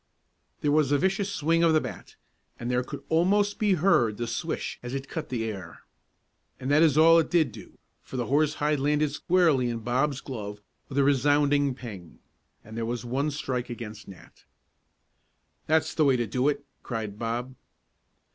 There was a vicious swing of the bat, and there could almost be heard the swish as it cut the air. And that is all it did do, for the horsehide landed squarely in Bob's glove with a resounding ping! and there was one strike against Nat. "That's the way to do it!" cried Bob.